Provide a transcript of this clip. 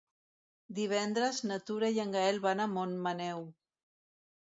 Divendres na Tura i en Gaël van a Montmaneu.